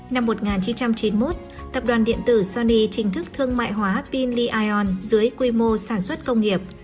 năm một nghìn chín trăm chín mươi một tập đoàn điện tử sony chính thức thương mại hóa pin lion dưới quy mô sản xuất công nghiệp